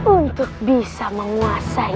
untuk bisa menguasai